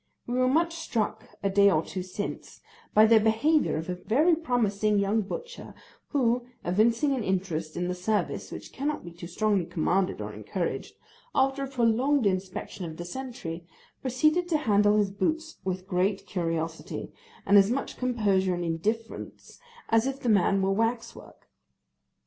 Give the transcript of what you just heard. We were much struck a day or two since, by the behaviour of a very promising young butcher who (evincing an interest in the service, which cannot be too strongly commanded or encouraged), after a prolonged inspection of the sentry, proceeded to handle his boots with great curiosity, and as much composure and indifference as if the man were wax work.